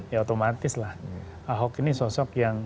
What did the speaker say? ya otomatis lah ahok ini sosok yang